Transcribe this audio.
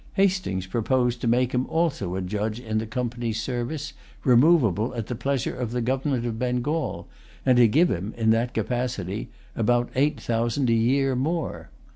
Hastings proposed to make him also a judge in the Company's service, removable at the pleasure of the government of Bengal; and to give him, in that capacity, about eight thousand a year more.